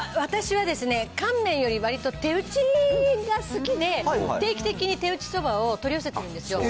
私はですね、乾麺より、わりと手打ちが好きで、定期的に手打ちそばを取り寄せてるんですよ。